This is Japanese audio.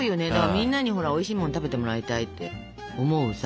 みんなにほらおいしいもん食べてもらいたいって思うさ